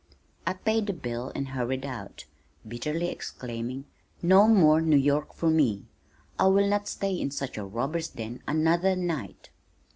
I paid the bill and hurried out, bitterly exclaiming, "No more New York for me. I will not stay in such a robbers' den another night."